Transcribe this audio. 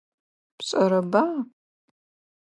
Пшӏэрэба?